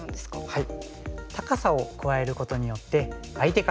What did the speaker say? はい。